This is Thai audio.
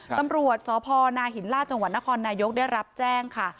ตำรวจสพนาหินล่าจังหวัดนครนายกได้รับแจ้งค่ะ